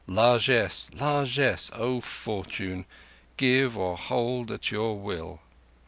Largesse! Largesse, O Fortune! Give or hold at your will.